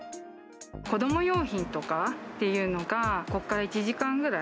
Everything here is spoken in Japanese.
子ども用品とかっていうのが、ここから１時間ぐらい。